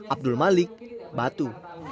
abdul malik batu